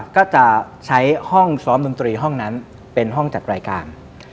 ก็จะใช้ห้องซ้อมดนตรีห้องนั้นเป็นห้องจัดรายการ